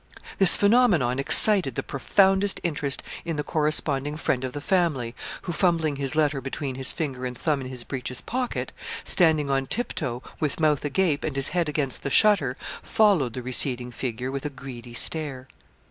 This phenomenon excited the profoundest interest in the corresponding friend of the family, who, fumbling his letter between his finger and thumb in his breeches' pocket, standing on tip toe, with mouth agape, and his head against the shutter, followed the receding figure with a greedy stare.